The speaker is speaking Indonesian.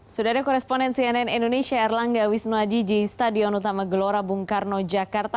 sudah ada koresponen cnn indonesia erlangga wisnuaji di stadion utama gelora bung karno jakarta